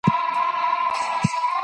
موږ د سولې او ارامۍ تږي یو.